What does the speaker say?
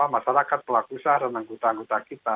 masyarakat pelaku usaha dan anggota anggota kita